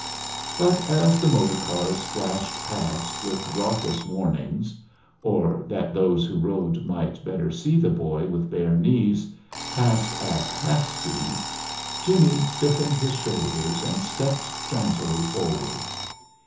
But as the motor cars flashed past with raucous warnings, or, that those who rode might better see the boy with bare knees, passed at "half speed," Jimmie stiffened his shoulders and stepped jauntily forward.